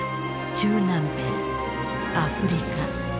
中南米アフリカ。